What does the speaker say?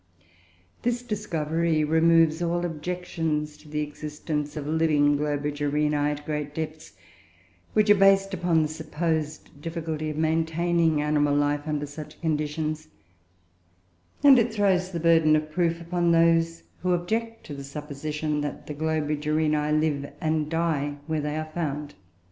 This discovery removes all objections to the existence of living Globigerinoe at great depths, which are based upon the supposed difficulty of maintaining animal life under such conditions; and it throws the burden of proof upon those who object to the supposition that the Globigerinoe live and die where they are found.